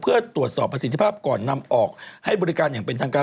เพื่อตรวจสอบประสิทธิภาพก่อนนำออกให้บริการอย่างเป็นทางการ